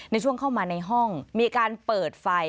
ในช่วงเข้ามาในห้องมีการเปิดไฟ